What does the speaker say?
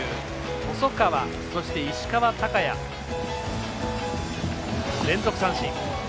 細川、そして、石川昂弥連続三振。